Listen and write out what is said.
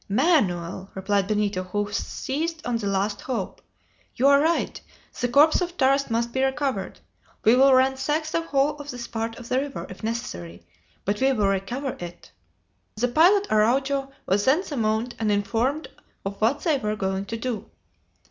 "Manoel," replied Benito, who seized on the last hope, "you are right! The corpse of Torres must be recovered! We will ransack the whole of this part of the river, if necessary, but we will recover it!" The pilot Araujo was then summoned and informed of what they were going to do.